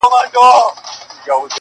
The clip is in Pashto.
انتقام اخیستل نه بخښل یې شرط دی,